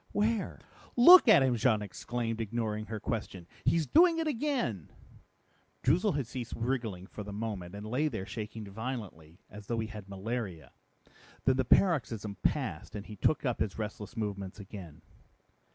"Where?" "Look at him!" Jean exclaimed, ignoring her question. "He's doing it again!" Droozle had ceased wriggling for the moment and lay there shaking violently, as though he had malaria. Then the paroxysm passed and he took up his restless movements again.